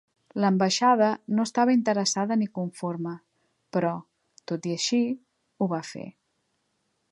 L'ambaixada no estava "interessada ni conforme", però, tot i així, ho va fer.